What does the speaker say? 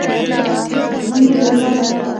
• مینه د لمر رڼا ده.